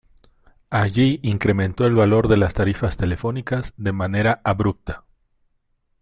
Allí incrementó el valor de las tarifas telefónicas de manera abrupta.